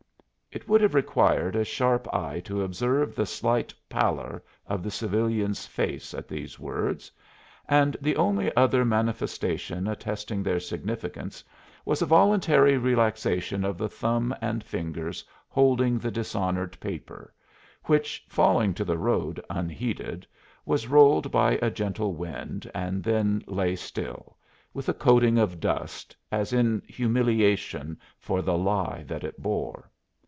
It would have required a sharp eye to observe the slight pallor of the civilian's face at these words, and the only other manifestation attesting their significance was a voluntary relaxation of the thumb and fingers holding the dishonored paper, which, falling to the road, unheeded, was rolled by a gentle wind and then lay still, with a coating of dust, as in humiliation for the lie that it bore.